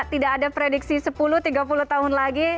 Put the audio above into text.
tidak ada prediksi sepuluh tiga puluh tahun lagi